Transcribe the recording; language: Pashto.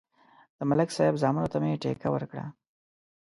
د ملک صاحب زامنو ته مې ټېکه ورکړه